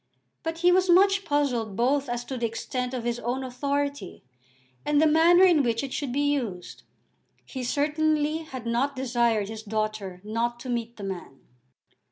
But he was much puzzled both as to the extent of his own authority and the manner in which it should be used. He certainly had not desired his daughter not to meet the man.